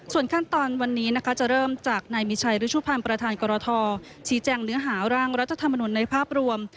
ส่วนขั้นตอนวันนี้นะคะจะเริ่มจากนายมีชัยรุชุพันธ์ประธานกรทชี้แจงเนื้อหาร่างรัฐธรรมนุนในภาพรวม